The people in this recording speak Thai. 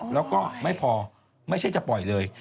แล้วก็ไม่พอไม่ใช่จะปล่อยเลย